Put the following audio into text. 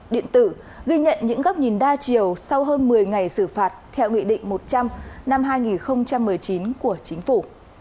điện tử ghi nhận những góc nhìn đa chiều sau hơn một mươi ngày xử phạt theo nghị định một trăm linh năm hai nghìn một mươi chín của chính phủ